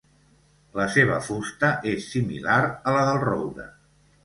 La seva fusta és similar a la del roure.